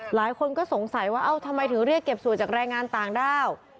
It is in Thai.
หลายคนก็สงสัยว่าเอ้าทำไมถึงเรียกเก็บสวยจากแรงงานต่างด้าว